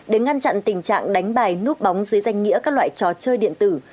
để ngăn chặn tình trạng đánh bài núp bóng dưới danh nghĩa các loại trò chơi điện tử